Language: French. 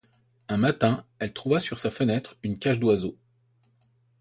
Un matin, elle trouva sur sa fenêtre une cage d'oiseaux.